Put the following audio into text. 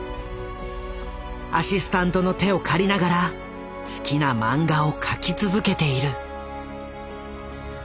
アシスタントの手を借りながら好きな漫画を描き続けている。